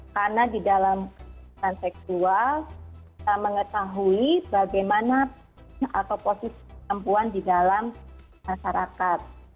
karena di dalam kerasan seksual kita mengetahui bagaimana posisi perempuan di dalam masyarakat